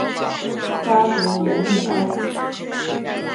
拉格罗利埃。